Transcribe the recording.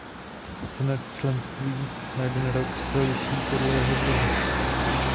Cena členství na jeden rok se liší podle jeho druhu.